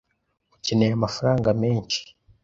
Ukeneye amafaranga menshi?